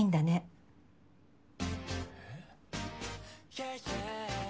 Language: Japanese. えっ？